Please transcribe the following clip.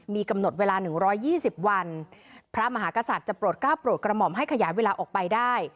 มีกำหนดเวลา๑๒๐วันพระมหากษัตริย์จะโปรดก้าวโปรดกระหม่อมให้ขยายเวลาออกไปได้